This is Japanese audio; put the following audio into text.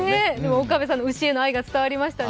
岡部さんの牛への愛が伝わりましたね。